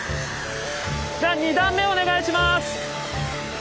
じゃあ２段目お願いします。